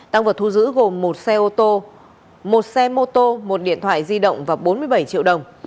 tăng vật thu giữ gồm một xe ô tô một xe mô tô một điện thoại di động và bốn mươi bảy triệu đồng